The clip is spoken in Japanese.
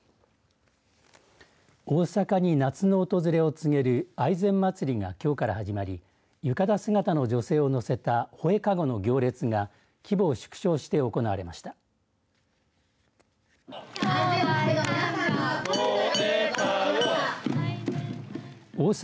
大阪に夏の訪れを告げる愛染まつりが、きょうから始まり浴衣姿の女性を乗せた宝恵かごなどの行列が規模を縮小して行われました。